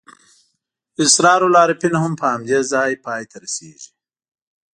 اسرار العارفین هم په همدې ځای پای ته رسېږي.